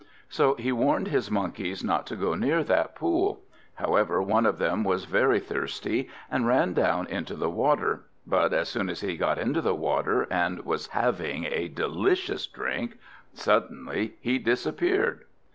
So he warned his Monkeys not to go near that pool. However, one of them was very thirsty, and ran down into the water; but as soon as he got into the water, and was having a delicious drink suddenly he disappeared!